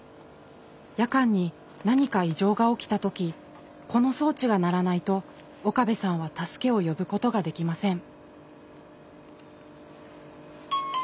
夜間に何か異常が起きた時この装置が鳴らないと岡部さんは助けを呼ぶことができません。